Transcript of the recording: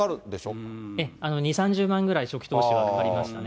２、３０万ぐらい、初期投資はかかりましたね。